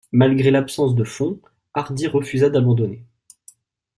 Malgré l'absence de fonds, Hardy refusa d'abandonner.